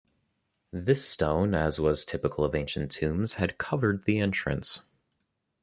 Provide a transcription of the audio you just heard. This stone, as was typical of ancient tombs, had covered the entrance.